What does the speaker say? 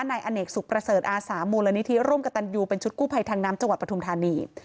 นายอเนกสุขประเสริฐอาสามูลนิธิร่วมกับตันยูเป็นชุดกู้ภัยทางน้ำจังหวัดปทุมธานี